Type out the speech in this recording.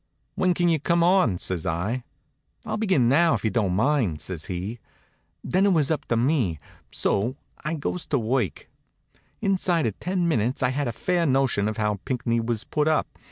"When can you come on?" says I. "I'll begin now, if you don't mind," says he. Then it was up to me; so I goes to work. Inside of ten minutes I had a fair notion of how Pinckney was put up.